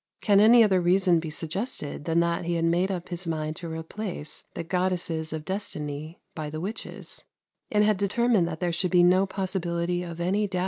Can any other reason be suggested than that he had made up his mind to replace the "goddesses of Destinie" by the witches, and had determined that there should be no possibility of any doubt arising about it?